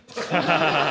ハハハハ。